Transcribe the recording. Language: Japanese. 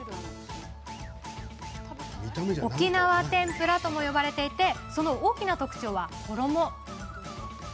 沖縄天ぷらとも呼ばれていてその大きな特徴は衣。